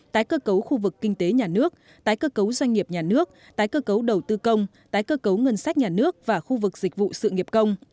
tái cơ cấu khu vực kinh tế nhà nước tái cơ cấu doanh nghiệp nhà nước tái cơ cấu đầu tư công tái cơ cấu ngân sách nhà nước và khu vực dịch vụ sự nghiệp công